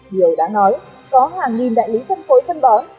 điều đáng nói có hàng nghìn đại lý phân phối phân bón